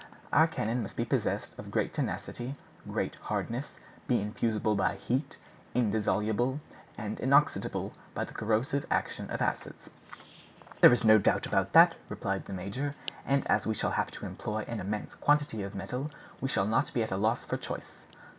Our cannon must be possessed of great tenacity, great hardness, be infusible by heat, indissoluble, and inoxidable by the corrosive action of acids." "There is no doubt about that," replied the major; "and as we shall have to employ an immense quantity of metal, we shall not be at a loss for choice."